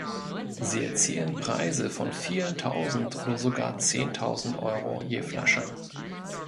Sie erzielen Preise von vielen tausend oder sogar zehntausend Euro je Flasche.